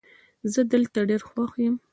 زه دلته ډېر خوښ یم